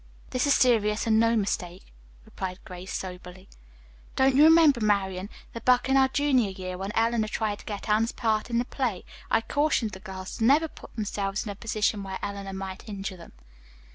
"This is serious, and no mistake," replied Grace soberly. "Don't you remember, Marian, that back in our junior year, when Eleanor tried to get Anne's part in the play, I cautioned the girls to never put themselves in a position where Eleanor might injure them."